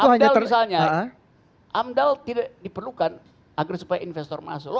amdal misalnya amdal tidak diperlukan agar supaya investor masuk